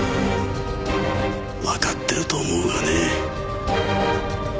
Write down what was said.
わかってると思うがね。